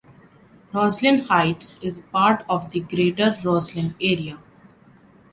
Roslyn Heights is part of the greater Roslyn area.